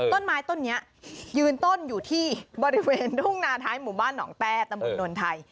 ต้นไม้ต้นนี้ยืนต้นอยู่ที่บริเวณทุ่งนาท้ายหมู่บ้านหนองแต้ตำบลนวลไทย